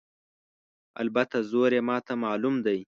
البته زور یې ماته معلوم دی.